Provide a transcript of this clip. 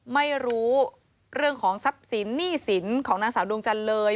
ไม่รู้เรื่องของทรัพย์สินหนี้สินของนางสาวดวงจันทร์เลย